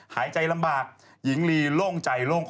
หายใจลำบากหญิงลีร่วงใจร่วงคอ